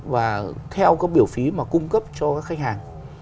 và theo các biểu phí mà cung cấp cho các khách hàng